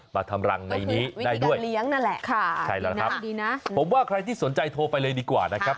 มาทำรังในนี้ได้ด้วยวิธีการเลี้ยงนั่นแหละค่ะดีนะผมว่าใครที่สนใจโทรไปเลยดีกว่านะครับ